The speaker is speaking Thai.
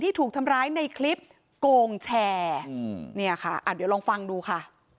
ถูกทำร้ายในคลิปโกงแชร์เนี่ยค่ะเดี๋ยวลองฟังดูค่ะ